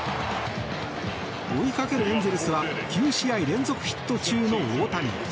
追いかけるエンゼルスは９試合連続ヒット中の大谷。